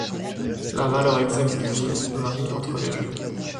La valeur exacte du gil varie entre les jeux.